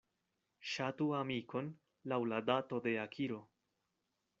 Ŝatu amikon laŭ la dato de akiro.